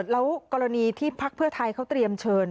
แล้วกรณีที่พักเพื่อไทยเขาเตรียมเชิญ